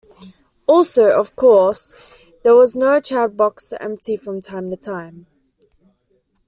Also, of course, there was no "chad box" to empty from time to time.